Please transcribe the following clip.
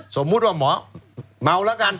สมมุติว่าหมอเมาแล้วกัน